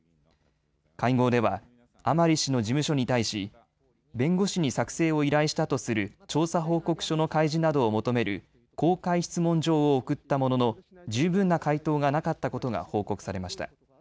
会合では甘利氏の事務所に対し、弁護士に作成を依頼したとする調査報告書の開示などを求める公開質問状を送ったものの十分な回答がなかったことが報告されました。